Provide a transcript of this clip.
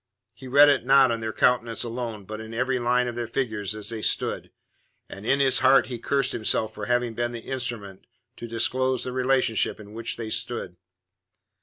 He read it not on their countenances alone, but in every line of their figures as they stood, and in his heart he cursed himself for having been the instrument to disclose the relationship in which they stood.